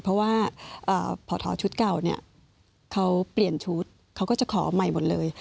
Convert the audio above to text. เพราะว่าพอทอชุดเก่าเนี่ยเขาเปลี่ยนชุดเขาก็จะขอใหม่หมดเลย